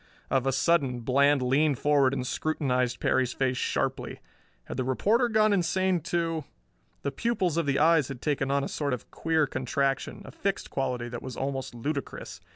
Of a sudden Bland leaned forward and scrutinized Perry's face sharply. Had the reporter gone insane too? The pupils of the eyes had taken on a sort of queer contraction, a fixed quality that was almost ludicrous.